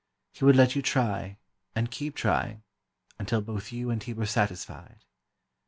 He would let you try, and keep trying, until both you and he were satisfied.